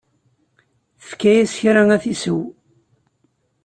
Tefka-as kra ad t-isew.